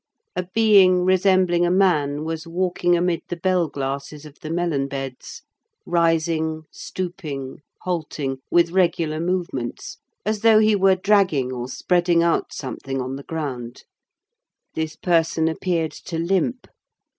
A being resembling a man was walking amid the bell glasses of the melon beds, rising, stooping, halting, with regular movements, as though he were dragging or spreading out something on the ground. This person appeared to limp.